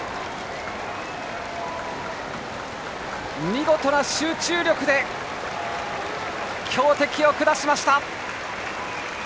見事な集中力で強敵を下しました。